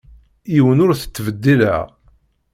Yiwen ur t-ttbeddileɣ.